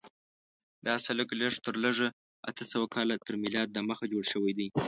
دا سړک لږ تر لږه اته سوه کاله تر میلاد دمخه جوړ شوی دی.